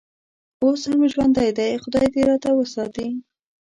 اوس هم ژوندی دی، خدای دې راته وساتي.